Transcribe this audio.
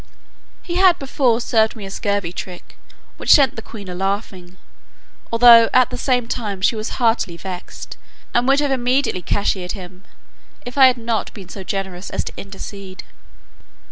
He had before served me a scurvy trick, which set the queen a laughing, although at the same time she was heartily vexed, and would have immediately cashiered him, if I had not been so generous as to intercede.